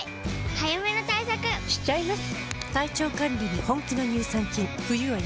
早めの対策しちゃいます。